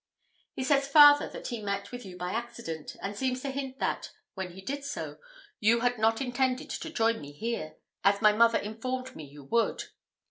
He says, farther, that he met with you by accident, and seems to hint that, when he did so, you had not intended to join me here, as my mother informed me you would.